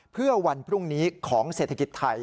เพื่อวันพรุ่งนี้ของเศรษฐกิจไทย